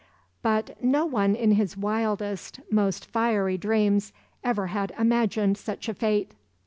But no one in his wildest, most fiery dreams had ever imagined such a fate.